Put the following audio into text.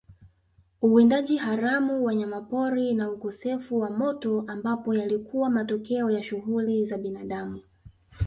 Uwindaji haramu wanyamapori na ukosefu wa moto ambapo yalikuwa matokeo ya shughuli za binadamu